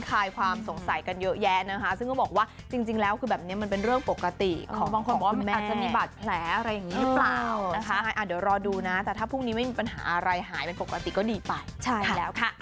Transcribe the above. คลายความสงสัยกันเยอะแยะนะคะ